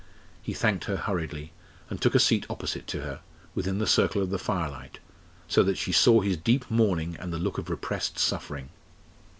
He thanked her hurriedly, and took a seat opposite to her, within the circle of the firelight, so that she saw his deep mourning and the look of repressed suffering.